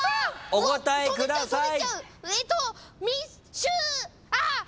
お答えください。